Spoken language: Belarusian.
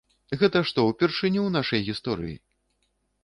Гэта што, упершыню ў нашай гісторыі?!